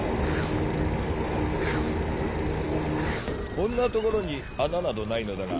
こんな所に穴などないのだが。